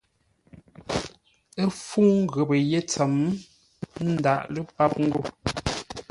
Ə́ fúŋ ghəpə́ yé ntsəm, ə́ ńdáʼ lə́ páp ńgó.